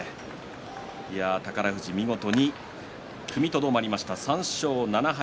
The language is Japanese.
宝富士、見事に踏みとどまりました３勝７敗。